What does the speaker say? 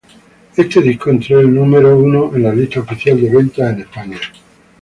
Este disco entró al número uno de la lista oficial de ventas en España.